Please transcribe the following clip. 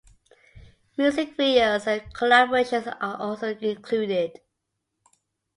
Music videos and collaborations are also included.